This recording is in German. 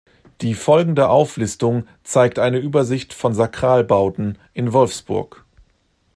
Die folgende Auflistung zeigt eine Übersicht von Sakralbauten in Wolfsburg.